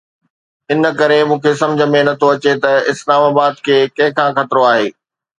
ان ڪري مون کي سمجهه ۾ نٿو اچي ته اسلام کي ڪنهن کان خطرو آهي؟